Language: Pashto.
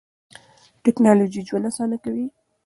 ټکنالوژي ژوند اسانه کوي.